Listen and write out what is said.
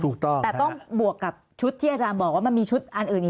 ถ้าต้องบวกกับชุดที่อาจารย์บอกว่ามันมีชุดอื่นอื่น